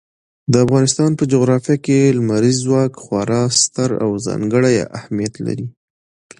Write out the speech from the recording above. د افغانستان په جغرافیه کې لمریز ځواک خورا ستر او ځانګړی اهمیت لري.